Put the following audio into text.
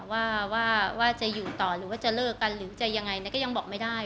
ว่าจะอยู่ต่อหรือว่าจะเลิกกันหรือจะยังไงก็ยังบอกไม่ได้